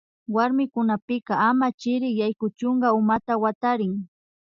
Warmikunapika ama chirik yaykuchuka umata watarin